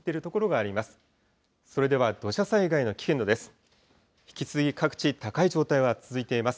それでは土砂災害の危険度です。